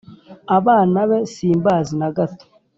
Abana be simbazi nagato